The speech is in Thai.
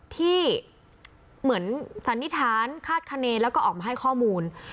ที่เหมือนสันนิษฐานคาดคณีแล้วก็ออกมาให้ข้อมูล